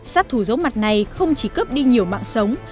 sát thủ dấu mặt này không chỉ cướp đi nhiều mạng sống